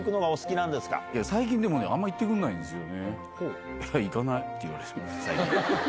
最近あんま行ってくれないんですよね。